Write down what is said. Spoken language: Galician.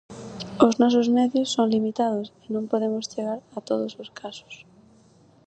Os nosos medios son limitados e non podemos chegar a todos os casos.